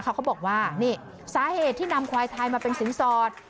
เขาบอกว่านี่สาเหตุที่นำควายไทยมาเป็นสินสอด